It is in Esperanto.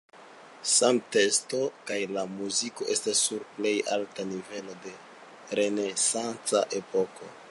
Same teksto kaj la muziko estas sur plej alta nivelo de renesanca epoko.